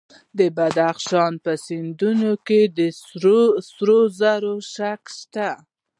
د بدخشان په سیندونو کې د سرو زرو شګې شته.